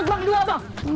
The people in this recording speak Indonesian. gua ambil dua bang